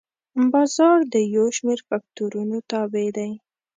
بازار د یو شمېر فکتورونو تابع دی.